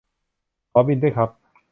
ขอบิลด้วยครับ